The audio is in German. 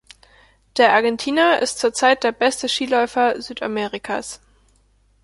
Der Argentinier ist zurzeit der beste Skiläufer Südamerikas.